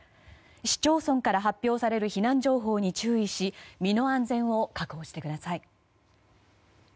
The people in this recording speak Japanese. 市町村から発表される避難情報に注意し身の安全を確保してください。